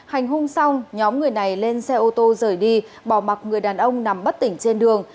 hành hung xong nhóm người này lên xe ô tô rời đi bỏ mặt người đàn ông nằm bất tỉnh trên đường